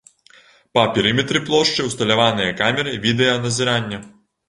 Па перыметры плошчы ўсталяваныя камеры відэаназірання.